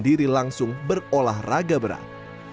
diri langsung berolahraga berat